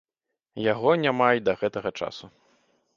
Яго няма й да гэтага часу.